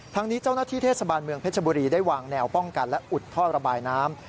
ทางนี้เจ้าหน้าที่เทศบาลเมืองเพชรบุรีได้วางแนวป้องกันและอุดท่อระบายน้ำ